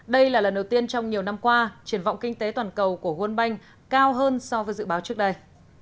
đây là lần đầu tiên trong nhiều năm qua triển vọng kinh tế toàn cầu của world bank cao hơn so với dự báo trước đây